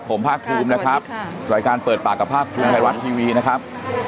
ผมภาคภูมินะครับรายการเปิดปากกับภาคภูมิไทยรัฐทีวีนะครับ